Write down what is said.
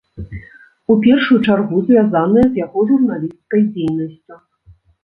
У першую чаргу звязаныя з яго журналісцкай дзейнасцю.